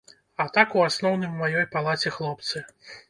А так у асноўным у маёй палаце хлопцы.